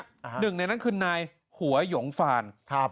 หนึ่งในนั้นคือนายหัวหยงฟานครับ